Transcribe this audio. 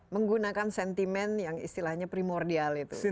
menggunakan sentimen yang istilahnya primordial itu